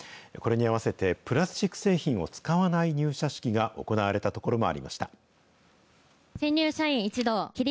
これに合わせてプラスチック製品を使わない入社式が行われたとこ